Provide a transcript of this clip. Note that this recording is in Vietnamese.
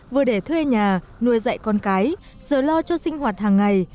vừa để thuê nhà nuôi dạy con cái giờ lo cho sinh hoạt hàng ngày